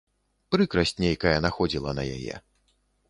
Прыкрасць нейкая находзіла на яе.